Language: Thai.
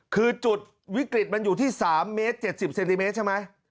คือจุดวิกฤตมันอยู่ที่๓เมตร๗๐เซนติเมตรใช่ไหม